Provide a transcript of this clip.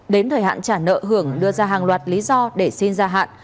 đến thời hạn trả nợ hưởng đưa ra hàng loạt lý do để xin gia hạn